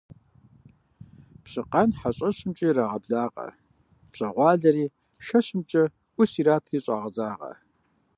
Пщыкъан хьэщӀэщымкӀэ ирагъэблагъэ, пщӀэгъуалэри шэщымкӀэ Ӏус иратри щагъэзагъэ.